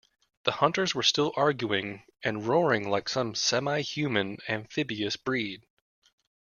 The hunters were still arguing and roaring like some semi-human amphibious breed.